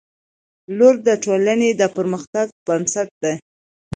• لور د ټولنې د پرمختګ بنسټ ده.